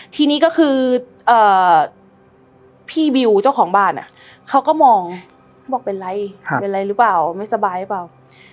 ทีนี้ก็คือพี่วิวเจ้าของบ้านเขาก็มองบอกเป็นไรเป็นอะไรหรือเปล่าไม่สบายหรือเปล่า